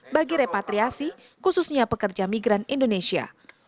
bagi repatriasi khususnya pekerja migran indonesia